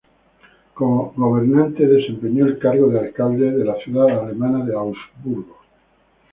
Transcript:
Como gobernante, desempeñó el cargo de alcalde de la ciudad alemana de Augsburgo.